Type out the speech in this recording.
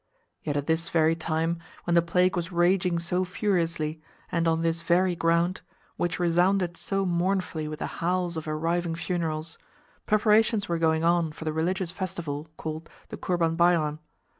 Yet at this very time, when the plague was raging so furiously, and on this very ground, which resounded so mournfully with the howls of arriving funerals, preparations were going on for the religious festival called the Kourban Bairam.